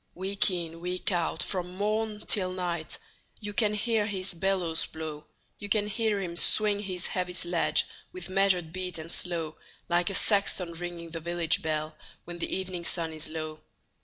Week in, week out, from morn till night, You can hear his bellows blow; You can hear him swing his heavy sledge, With measured beat and slow, Like a sexton ringing the village bell, When the evening sun is low.